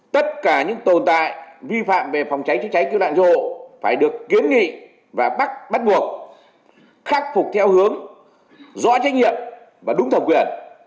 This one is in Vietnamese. tất cả những tồn tại vi phạm về phòng cháy chữa cháy cứu nạn cứu hộ phải được kiến nghị và bắt bắt buộc khắc phục theo hướng rõ trách nhiệm và đúng thẩm quyền